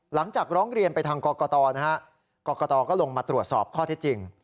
หลังจากร้องเรียนไปทางกรกตนะฮะกรกตก็ลงมาตรวจสอบข้อเท็จจริง